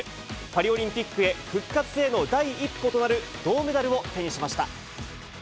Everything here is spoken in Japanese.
パリオリンピックへ、復活への第一歩となる銅メダルを手にしました。